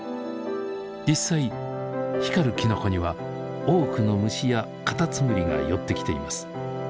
実際光るきのこには多くの虫やカタツムリが寄ってきています。